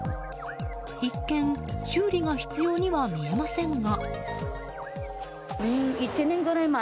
一見、修理が必要には見えませんが。